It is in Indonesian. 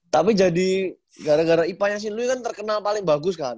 tapi jadi gara gara ipa yasin lui kan terkenal paling bagus kan